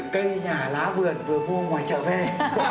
cây nhà lá vườn vừa mua ngoài chợ về